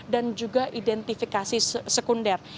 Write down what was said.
dan juga identifikasi sekunder